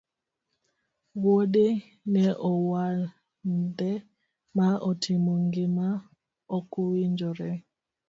wuode ne owuonde ma otimo gima okowinjore.